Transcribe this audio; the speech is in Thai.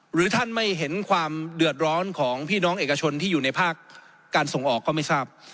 หรือท่านไม่เห็นความเดือดร้อนของพี่น้องเอกชนที่อยู่ในภาคการส่งออกก็ไม่ทราบ